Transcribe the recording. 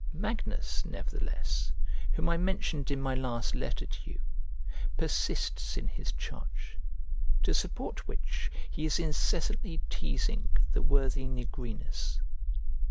Magnus, nevertheless, whom I mentioned in my last letter to you, persists in his charge, to support which he is incessantly teasing the worthy Nigrinus.